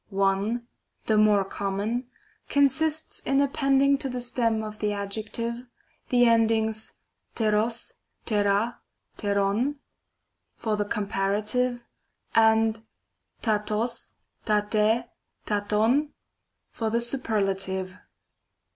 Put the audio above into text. One (the more common), consists in appending to the stem of the adjective, the endings rtgog, rtqay rtQoi/y for the comparative, and raroz, ravrjy ravovj for the superlative.